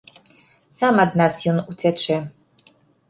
Сам ад нас ён уцячэ.